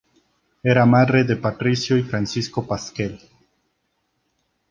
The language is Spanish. Era madre de Patricio y Francisco Pasquel.